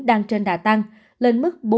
đang trên đà tăng lên mức bốn mươi tám bảy